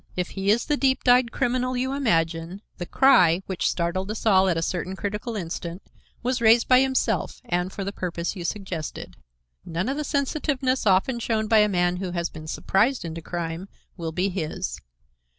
If he is the deep dyed criminal you imagine, the cry which startled us all at a certain critical instant was raised by himself and for the purpose you suggested. None of the sensitiveness often shown by a man who has been surprised into crime will be his.